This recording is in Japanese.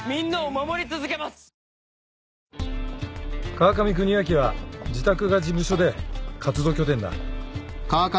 川上邦明は自宅が事務所で活動拠点だ。